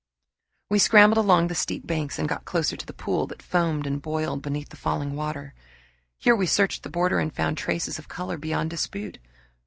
We scrambled along the steep banks and got close to the pool that foamed and boiled beneath the falling water. Here we searched the border and found traces of color beyond dispute.